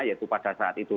yaitu pada saat itu